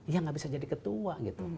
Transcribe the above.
ya tidak bisa jadi ketua